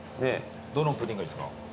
どのプリンがいいですか？